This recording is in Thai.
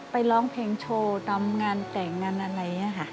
ร้องเพลงโชว์ตามงานแต่งงานอะไรอย่างนี้ค่ะ